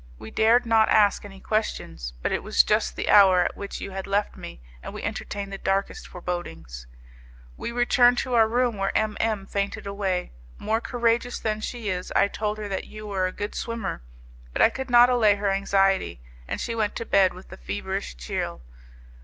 We dared not ask any questions, but it was just the hour at which you had left me, and we entertained the darkest forebodings. We returned to our room, where M M fainted away. More courageous than she is, I told her that you were a good swimmer, but I could not allay her anxiety, and she went to bed with a feverish chill.